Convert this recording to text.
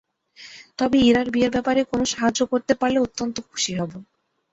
তবে ইরার বিয়ের ব্যাপারে কোনো সাহায্য করতে পারলে অত্যন্ত খুশি হব।